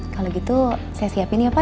kalau gitu saya siapin ya pak